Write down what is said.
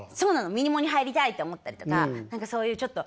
「ミニモニ。入りたい」って思ったりとか何かそういうちょっと。